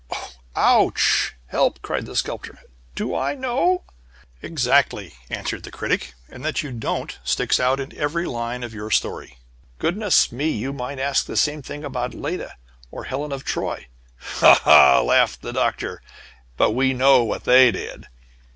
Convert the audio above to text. "Oh, ouch help!" cried the Sculptor. "Do I know?" "Exactly!" answered the Critic, "and that you don't sticks out in every line of your story." "Goodness me, you might ask the same thing about Leda, or Helen of Troy." "Ha! Ha!" laughed the Doctor. "But we know what they did!"